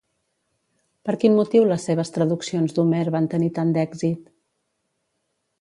Per quin motiu les seves traduccions d'Homer van tenir tant d'èxit?